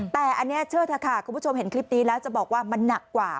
แต่อันนี้เชื่อเถอะค่ะคุณผู้ชมเห็นคลิปนี้แล้วจะบอกว่ามันหนักกว่า